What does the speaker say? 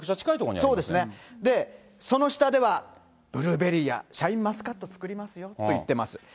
家、その下ではブルーベリーとかシャインマスカット作りますよと言ってます。